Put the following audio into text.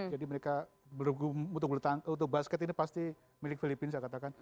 jadi mereka untuk basket ini pasti milik filipina saya katakan